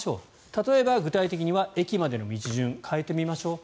例えば、具体的には駅までの道順変えてみましょう。